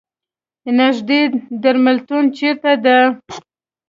نیږدې درملتون چېرته ده؟